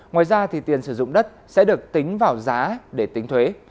ngoài ra thì tiền sử dụng đất sẽ được tính vào giá để tính thuế